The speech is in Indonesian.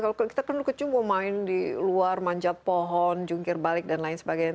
kalau kita kan kecil mau main di luar manjat pohon jungkir balik dan lain sebagainya